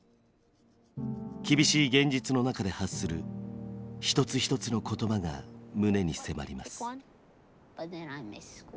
厳しい現実の中で発する一つ一つの言葉が胸に迫ります。